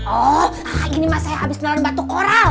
oh ini mah saya habis nonton batu koral